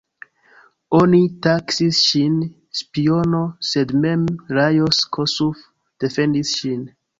Oni taksis ŝin spiono, sed mem Lajos Kossuth defendis ŝin.